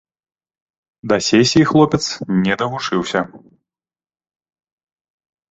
Да сесіі хлопец не давучыўся.